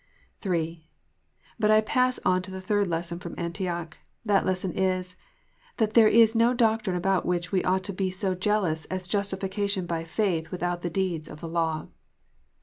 III. But I pass on to the third lesson from Antioch. That lesson is, that there is no doctrine about which we ouyht to be so jealous as justification by faith without the deeds of the law.